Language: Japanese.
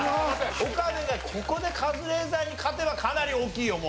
岡部がここでカズレーザーに勝てばかなり大きいよもう。